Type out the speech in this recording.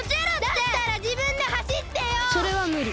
だったらじぶんではしってよ！それはむり。